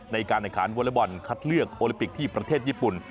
ในการแข่งขันวอเล็กบอลคัดเลือกโอลิปิกที่ประเทศญี่ปุ่น